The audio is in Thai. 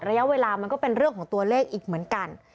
ระยะเวลามันก็เป็นเรื่องของตัวเลขอีกเหมือนกัน